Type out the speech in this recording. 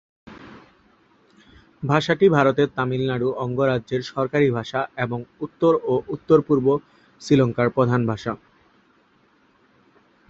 ভাষাটি ভারতের তামিলনাড়ু অঙ্গরাজ্যের সরকারি ভাষা এবং উত্তর ও উত্তর-পূর্ব শ্রীলঙ্কার প্রধান ভাষা।